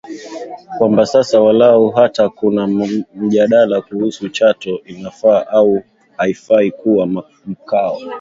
kwamba sasa walau hata kuna mjadala kuhusu Chato inafaa au haifai kuwa mkoa